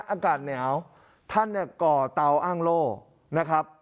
อากาศหนาวท่านเนี่ยก่อเตาอ้างโล่นะครับ